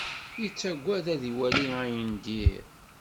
Yettagad ad iwali ayen n dir.